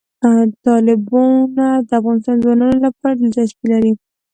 تالابونه د افغان ځوانانو لپاره دلچسپي لري.